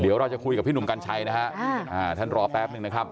เดี๋ยวเราจะคุยกับพี่หนุ่มกัญชัยนะฮะท่านรอแป๊บนึงนะครับ